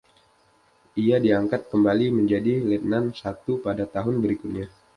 Ia diangkat kembali menjadi letnan satu pada tahun berikutnya.